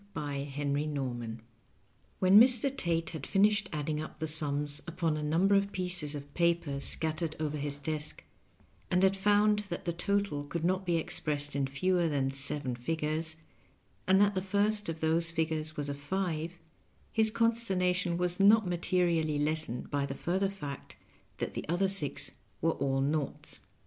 Bt henbt kobman. When Mr. Tate had finished adding np the sums upon a number of pieces of paper scattered over his desk, and had found that the total could not be expressed in fewer than seven figures, and that the first of those fig ures was a five, his consternation was not materially lessened by the further fact that the other six were all naughts.